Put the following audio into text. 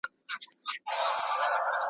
د آرزو له پېغلو سترګو یوه اوښکه .